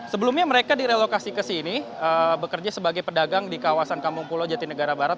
sebelumnya mereka direlokasi ke sini bekerja sebagai pedagang di kawasan kampung pulau jatinegara barat